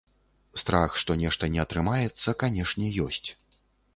Страхі, што нешта не атрымаецца, канешне, ёсць.